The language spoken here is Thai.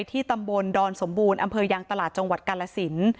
ที่ตำบลดอนสมบูรณ์อำเภอยางตลาดจังหวัดกาลสิน